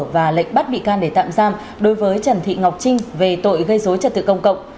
và lệnh bắt bị can để tạm giam đối với trần thị ngọc trinh về tội gây dối trật tự công cộng